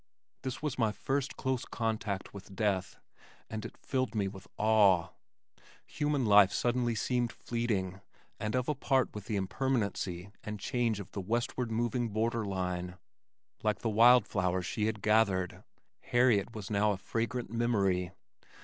This was my first close contact with death, and it filled me with awe. Human life suddenly seemed fleeting and of a part with the impermanency and change of the westward moving Border Line. Like the wild flowers she had gathered, Harriet was now a fragrant memory.